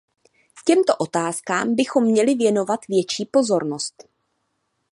Těmto otázkám bychom měli věnovat větší pozornost.